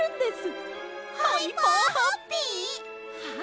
はい！